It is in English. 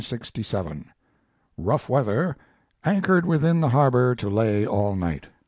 Rough weather anchored within the harbor to lay all night.